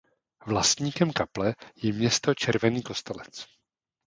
Vlastníkem kaple je město Červený Kostelec.